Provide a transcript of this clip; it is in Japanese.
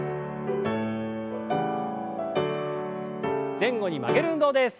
前後に曲げる運動です。